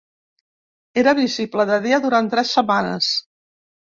Era visible de dia durant tres setmanes.